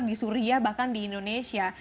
di suria bahkan di indonesia